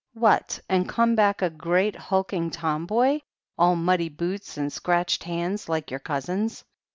"What, and come back a great hulking tomboy, all muddy boots, and scratched hands like your cousins?"